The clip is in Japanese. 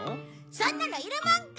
そんなのいるもんか！